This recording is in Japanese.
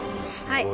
はい。